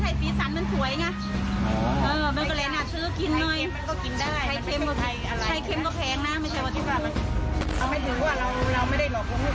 ไม่ถือว่าเราเราไม่ได้หลอกลงลูกค้าคือสีสันลูกสันถ้าถ่าย